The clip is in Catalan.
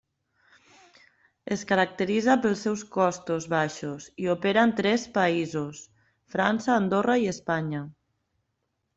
Es caracteritza pels seus costos baixos, i opera en tres països, França, Andorra i Espanya.